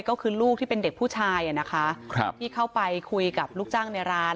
ก็คือลูกที่เป็นเด็กผู้ชายนะคะที่เข้าไปคุยกับลูกจ้างในร้าน